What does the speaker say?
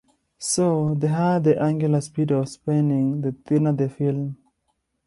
So, the higher the angular speed of spinning, the thinner the film.